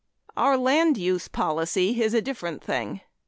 Our land use policy is a different thing.